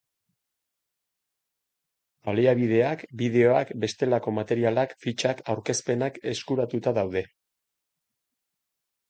Baliabideak, bideoak, bestelako materialak, fitxak, aurkezpenak euskaratuta daude.